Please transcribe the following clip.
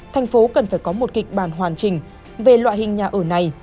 thành phố cần phải có một kịch bản hoàn chỉnh về loại hình nhà ở này